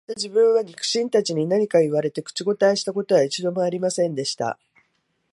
また自分は、肉親たちに何か言われて、口応えした事は一度も有りませんでした